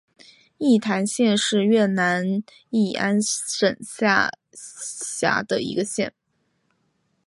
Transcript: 义坛县是越南乂安省下辖的一个县。